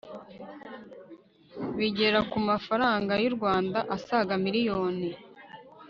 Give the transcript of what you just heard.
bigera ku mafaranga y urwanda asaga miriyoni